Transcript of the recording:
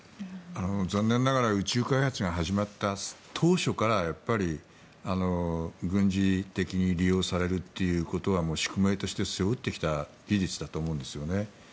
残念ながら宇宙開発が始まった当初から軍事的に利用されるということはもう宿命として背負ってきた事実だと思うんですよね。